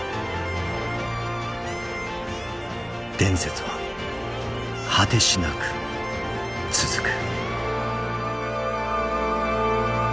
伝説は果てしなく続く。